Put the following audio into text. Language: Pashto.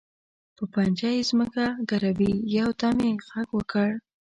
په پنجه یې ځمکه ګروي، یو دم یې غږ وکړ.